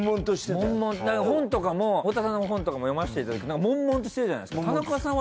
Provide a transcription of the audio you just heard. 悶々なんか本とかも太田さんの本とかも読ませていただいて悶々としてるじゃないですか。